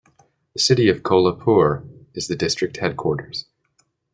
The city of Kolhapur is the district headquarters.